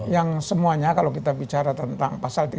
yang semuanya kalau kita bicara tentang pasal tiga puluh